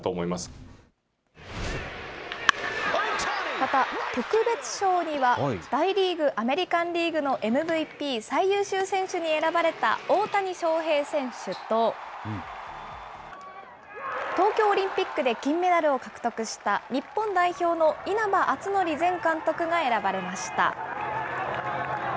また、特別賞には、大リーグ・アメリカンリーグのＭＶＰ・最優秀選手に選ばれた大谷翔平選手と、東京オリンピックで金メダルを獲得した、日本代表の稲葉篤紀前監督が選ばれました。